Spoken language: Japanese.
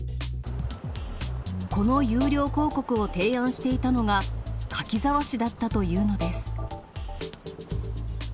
この有料広告を提案していたのが柿沢氏だったというのです。